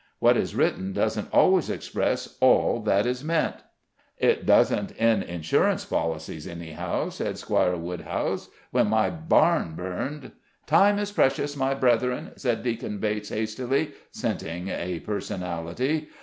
What is written doesn't always, express all that is meant." "It doesn't in insurance policies, anyhow," said Squire Woodhouse; "when my barn burned " "Time is precious, my brethren," said Deacon Bates hastily, scenting a personality.